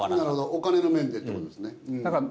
お金の面でってことですね。